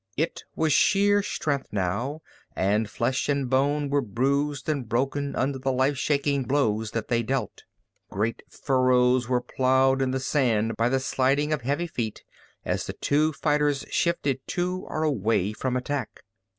It was sheer strength now and flesh and bone were bruised and broken under the life shaking blows that they dealt. Great furrows were plowed in the sand by the sliding of heavy feet as the two fighters shifted to or away from attack.